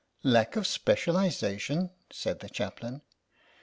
" Lack of specialisation !" said the Chap lain.